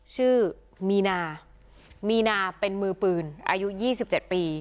ชื่อมีนามีนาเป็นมือปืนอายุ๒๗ปี